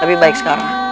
lebih baik sekarang